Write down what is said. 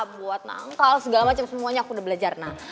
buat nangkal segala macam semuanya aku udah belajar